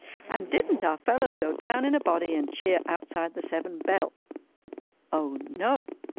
And didn't our fellows go down in a body and cheer outside the Seven Bells? O no!